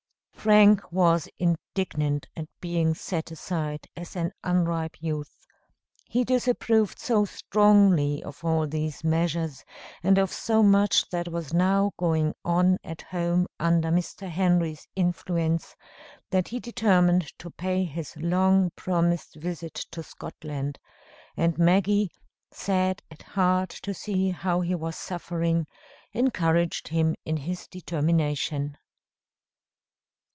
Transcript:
Frank was indignant at being set aside as an unripe youth. He disapproved so strongly of all these measures, and of so much that was now going on at home under Mr. Henry's influence that he determined to pay his long promised visit to Scotland; and Maggie, sad at heart to see how he was suffering, encouraged him in his determination.